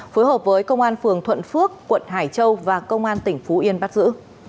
phối hợp với công an phường thuận phước quận hải châu và công an tỉnh phú yên bắt giữ